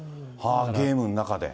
ゲームの中で。